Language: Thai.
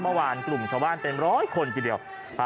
เมื่อวานกลุ่มชาวบ้านเต็มร้อยคนทีเดียว